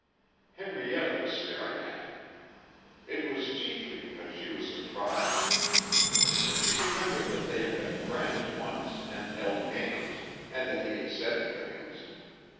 Henrietta was staring at him. It was chiefly because she was surprised. She remembered that they had been friends once and held hands and that he had said things.